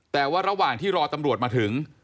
แต่ว่าระหว่างที่รอตำรวจมาถึง